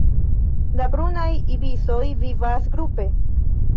La Brunaj ibisoj vivas grupe.